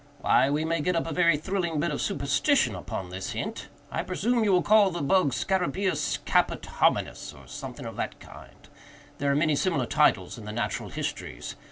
Why, we may get up a very thrilling bit of superstition upon this hint. I presume you will call the bug scarabæus caput hominis, or something of that kind—there are many similar titles in the Natural Histories.